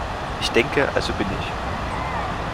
Ich denke, also bin ich.